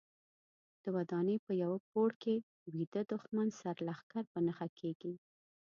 د ودانۍ په یوه پوړ کې ویده دوښمن سرلښکر په نښه کېږي.